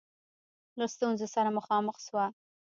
له ستونزو سره مخامخ سوه.